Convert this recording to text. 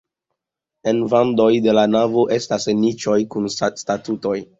En vandoj de la navo estas niĉoj kun statuoj.